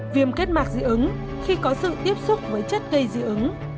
viêm kết mạc dị ứng khi có sự tiếp xúc với chất gây dị ứng